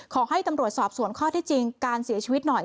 ขอให้ตำรวจสอบสวนข้อที่จริงการเสียชีวิตหน่อย